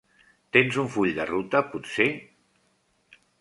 Tens un full de ruta, potser?